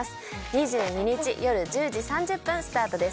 ２２日夜１０時３０分スタートです。